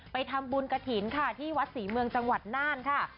ไปทำบุญกระถิ่นค่ะที่วัดศรีเมืองจังหวัดน่านค่ะ